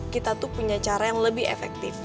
kita tuh punya cara yang lebih efektif